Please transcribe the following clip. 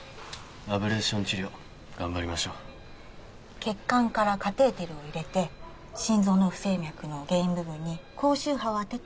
アブレーション治療頑張りましょう血管からカテーテルを入れて心臓の不整脈の原因部分に高周波を当てて